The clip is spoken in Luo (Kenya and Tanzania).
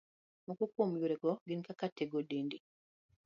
Moko kuom yorego gin kaka, tiego dendi.